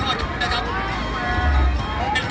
มาแล้วครับพี่น้อง